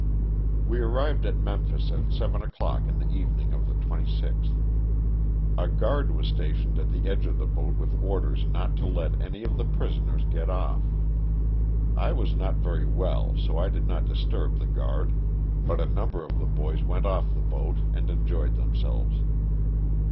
We arrived at Memphis at seven o'clock in the even ing of the 26th. A guard was stationed at the edge of the boat with orders not to let any of the prisoners get off. I was not very well so I did not disturb the guard, but a number of the boys went off the boat and enjoyed themselves.